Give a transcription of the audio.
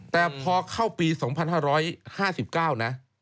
แต่พอเข้าปี๒๕๕๙นะ